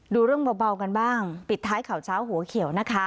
ดูเรื่องเบากันบ้างปิดท้ายข่าวเช้าหัวเขียวนะคะ